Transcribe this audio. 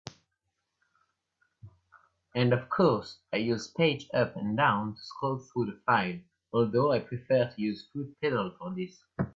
And of course I use page up and down to scroll through the file, although I prefer to use foot pedals for this.